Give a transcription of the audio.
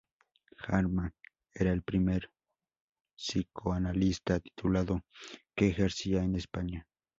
Garma era el primer psicoanalista titulado que ejercía en España.